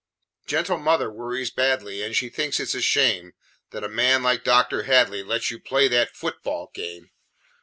"Gentle mother worries badly, And she thinks it is a shame That a man like Dr. Hadley Lets you play that football game.